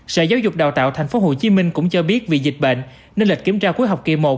sở giáo dục đào tạo tp hcm cũng cho biết vì dịch bệnh nên lịch kiểm tra cuối học kỳ một